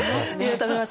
食べます。